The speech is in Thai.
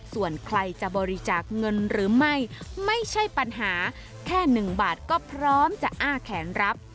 ส่วนใครจะบริจาคเงินหรือไม่ไม่ใช่ปัญหาแค่๑บาทก็พร้อมจะอ้าแขนรับ